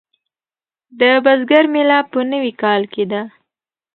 د بزګر میله په نوي کال کې ده.